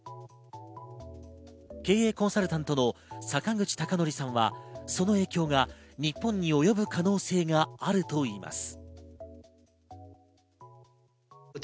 経営コンサルタントの坂口孝則さんはその影響が日本に及ぶ可能性があるといいます。